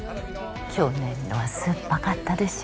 去年のは酸っぱかったでしょ